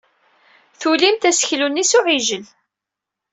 Tulimt aseklu-nni s uɛijel.